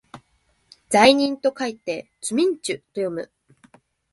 罪人と書いてつみんちゅと読む